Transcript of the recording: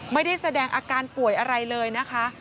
ไม่ได้แสดงอาการป่วยอะไรเลยนะคะ